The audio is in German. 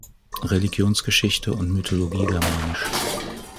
Religionsgeschichte und Mythologie, germ.